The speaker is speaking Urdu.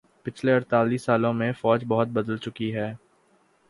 پچھلے اڑتالیس سالوں میں فوج بہت بدل چکی ہے